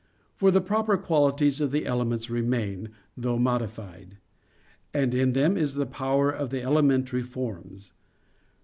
For the proper qualities of the elements remain, though modified; and in them is the power of the elementary forms.